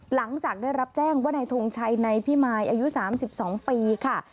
หลังจากได้รับแจ้งว่านายทงชัยในพิมายอายุ๓๒ปีค่ะ